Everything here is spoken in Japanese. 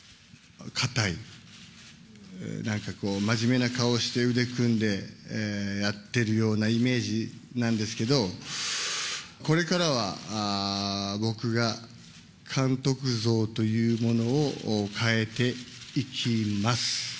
堅い、なんかこう真面目な顔して腕組んでやってるようなイメージなんですけど、これからは僕が監督像というものを変えていきます。